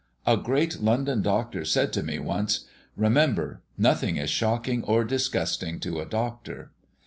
A great London doctor said to me once, 'Remember, nothing is shocking or disgusting to a doctor.'